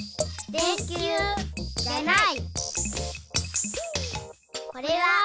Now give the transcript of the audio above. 電きゅうじゃない。